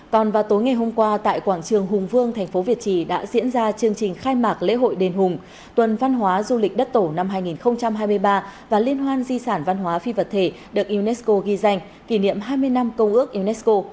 còn vào tối ngày hôm qua tại quảng trường hùng vương thành phố việt trì đã diễn ra chương trình khai mạc lễ hội đền hùng tuần văn hóa du lịch đất tổ năm hai nghìn hai mươi ba và liên hoan di sản văn hóa phi vật thể được unesco ghi danh kỷ niệm hai mươi năm công ước unesco